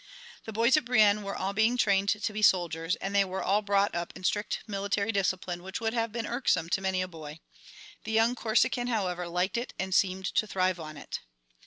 The boys at Brienne were all being trained to be soldiers, and they were all brought up in strict military discipline which would have been irksome to many a boy. The young Corsican, however, liked it and seemed to thrive on it.